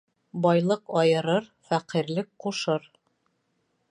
Байлыҡ айырыр, фәҡирлек ҡушыр.